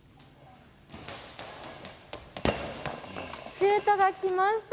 シュートがきました。